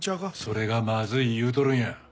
それがまずい言うとるんや。